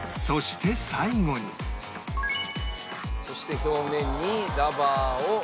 そして表面にラバーを。